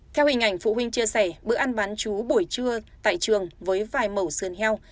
theo hình ảnh phụ huynh chia sẻ bữa ăn bán chú buổi trưa tại trường với vài mẫu sơn heo